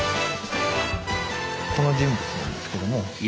この人物なんですけども。